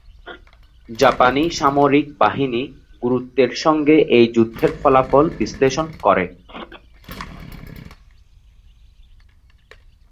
জাপানি সামরিক বাহিনী গুরুত্বের সঙ্গে এই যুদ্ধের ফলাফল বিশ্লেষণ করে।